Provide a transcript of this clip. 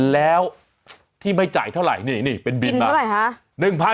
แล้วที่ไม่จ่ายเท่าไหร่นี่เป็นบินมา